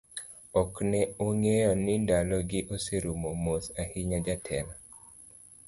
Ok ne ang'eyo ni ndalo gi oserumo, mos ahinya jatelo: